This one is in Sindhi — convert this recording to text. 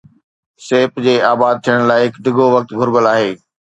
سيپ جي آباد ٿيڻ لاءِ هڪ ڊگهو وقت گهربل آهي.